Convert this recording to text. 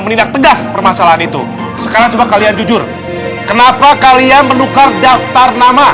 menindak tegas permasalahan itu sekarang coba kalian jujur kenapa kalian menukar daftar nama